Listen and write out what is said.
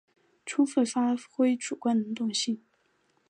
充分发挥主观能动性